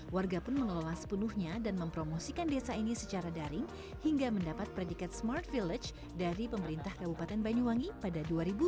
warga pun mengelola sepenuhnya dan mempromosikan desa ini secara daring hingga mendapat predikat smart village dari pemerintah kabupaten banyuwangi pada dua ribu dua puluh